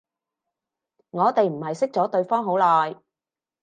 我哋唔係識咗對方好耐